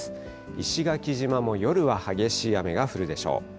石垣島も夜は激しい雨が降るでしょう。